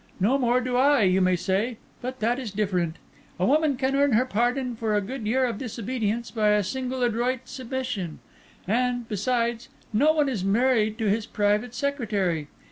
No more do I, you may say. But that is different. A woman can earn her pardon for a good year of disobedience by a single adroit submission; and, besides, no one is married to his private secretary.